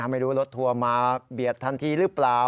ไม่รู้รถทัวร์มาเบียดทันทีหรือเปล่า